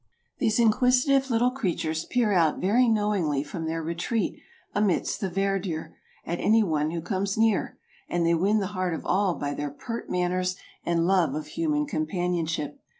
These inquisitive little creatures peer out very knowingly from their retreat amidst the verdure, at anyone who comes near, and they win the heart of all by their pert manners and love of human companionship.